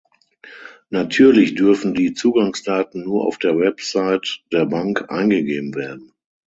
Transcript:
Natürlich dürfen die Zugangsdaten nur auf der Website der Bank eingegeben werden.